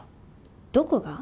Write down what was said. どこが？